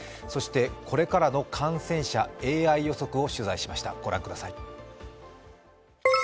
そして、これからの感染者ＡＩ予測を取材しました。